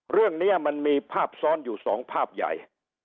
เรื่องนี้มันมีภาพซ้อนอยู่สองภาพใหญ่